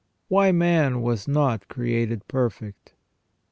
WHY MAN WAS NOT CREATED PERFECT.